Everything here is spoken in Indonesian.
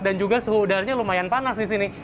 dan juga suhu udaranya lumayan panas di sini